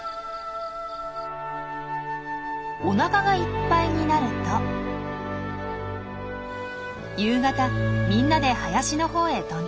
おなかがいっぱいになると夕方みんなで林のほうへ飛んでいきました。